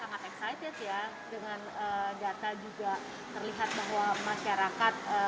sangat excited ya dengan data juga terlihat bahwa masyarakat